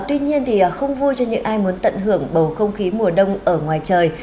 tuy nhiên thì không vui cho những ai muốn tận hưởng bầu không khí mùa đông ở ngoài trời